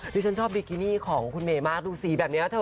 ฉันชอบบิกินี่ของคุณเมย์มากดูสีแบบนี้เธอ